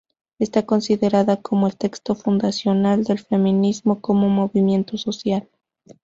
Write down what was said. Está considerada como el texto fundacional del feminismo como movimiento social.